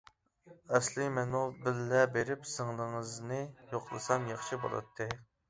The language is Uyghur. -ئەسلى مەنمۇ بىللە بېرىپ سىڭلىڭىزنى يوقلىسام ياخشى بولاتتى.